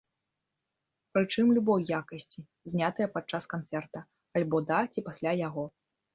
Прычым, любой якасці, знятыя падчас канцэрта, альбо да ці пасля яго.